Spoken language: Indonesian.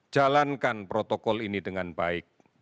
jalankan protokol ini dengan baik